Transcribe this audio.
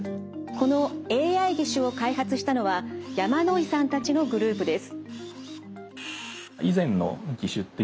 このＡＩ義手を開発したのは山野井さんたちのグループです。